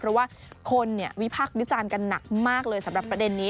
เพราะว่าคนวิพักษ์วิจารณ์กันหนักมากเลยสำหรับประเด็นนี้